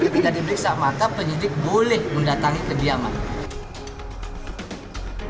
jika diperiksa mata penyidik boleh mendatangi kediaman